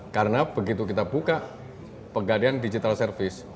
karena begitu kita buka pegadaian digital service